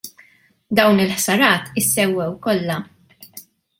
Dawn il-ħsarat issewwew kollha.